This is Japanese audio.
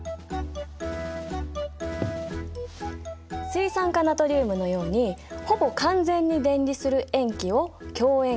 水酸化ナトリウムのようにほぼ完全に電離する塩基を強塩基。